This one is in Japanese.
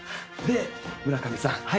で村上さん。